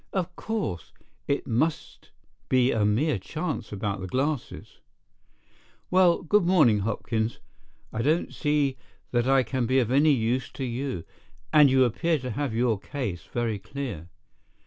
Of course, it must be a mere chance about the glasses. Well, good morning, Hopkins. I don't see that I can be of any use to you, and you appear to have your case very clear.